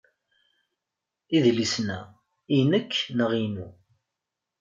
Idlisen-a, inek neɣ inu?